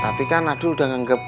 tapi kan adul udah nganggep